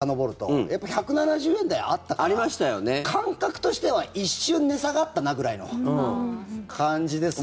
もうちょっと前にさかのぼるとやっぱり１７０円台あったから感覚としては一瞬、値下がったなぐらいの感じですね。